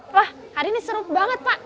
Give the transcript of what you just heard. wah hari ini seru banget pak